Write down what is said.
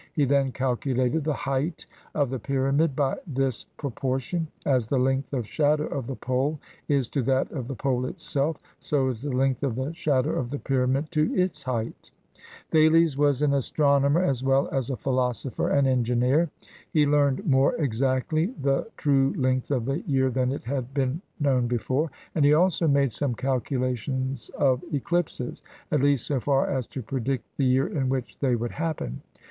He then calculated the height of the pyramid by this pro portion : as the length of shadow of the pole is to that of the pole itself, so is the length of the shadow of the pyra mid to its height. Thales was an astronomer as well as a philosopher and 316 HOW CYRUS WON THE LAND OF GOLD engineer. He learned more exactly the true length of the year than it had been known before; and he also made some calculations of eclipses, at least so far as to predict the year in which they would happen.